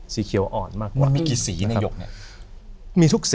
สีเขียวอ่อนมาก